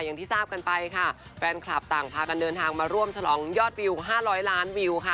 อย่างที่ทราบกันไปค่ะแฟนคลับต่างพากันเดินทางมาร่วมฉลองยอดวิว๕๐๐ล้านวิวค่ะ